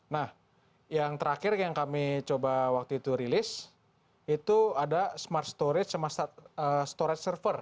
nah yang terakhir yang kami coba waktu itu rilis itu ada smart storage sama storage server